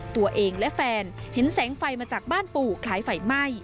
ตัวเองและแฟนเห็นแสงไฟมาจากบ้านปู่คล้ายไฟไหม้